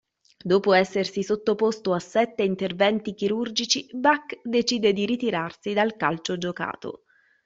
Dopo essersi sottoposto a sette interventi chirurgici, Bak decide di ritirarsi dal calcio giocato.